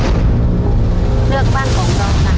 ก็ตามที่กระทดแหน่ง